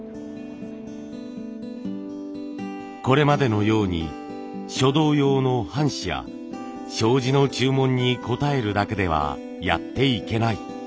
これまでのように書道用の半紙や障子の注文に応えるだけではやっていけない。